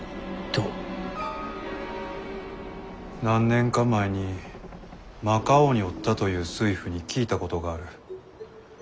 Ｇｏｄ．何年か前にマカオにおったという水夫に聞いたことがある。